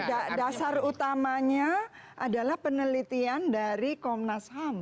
dan dasar utamanya adalah penelitian dari komnas ham